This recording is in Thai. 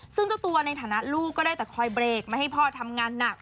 ซึ่งเจ้าตัวในฐานะลูกก็ได้แต่คอยเบรกไม่ให้พ่อทำงานหนัก